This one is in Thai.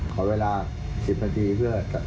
ขอเวลา๑๐นาทีเพื่อเสพจะบ้า